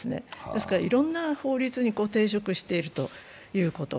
だからいろんな法律に抵触しているということ。